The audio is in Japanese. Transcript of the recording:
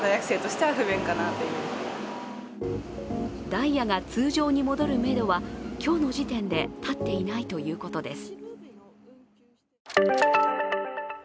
ダイヤが通常に戻るめどは今日の時点で立っていないということです。